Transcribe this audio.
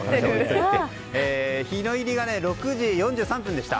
日の入りが６時４３分でした。